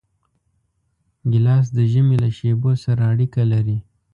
ګیلاس د ژمي له شېبو سره اړیکه لري.